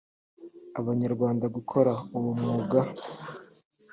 abanyarwanda gukora uwo mwuga